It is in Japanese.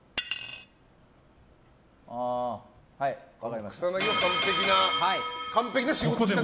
ああはい、分かりました。